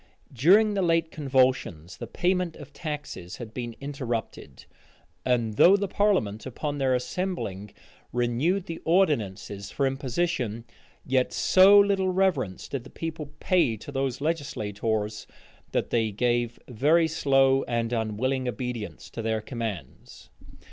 During the late convulsions, the payment of taxes had been interrupted; and though the parliament, upon their assembling, renewed the ordinances for impositions, yet so little reverence did the people pay to those legislators, that they gave very slow and unwilling obedience to their commands.